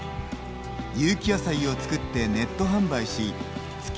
有機野菜を作ってネット販売し月